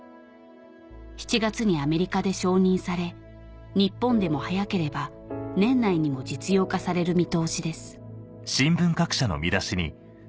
７月にアメリカで承認され日本でも早ければ年内にも実用化される見通しです